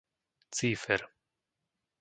Cífer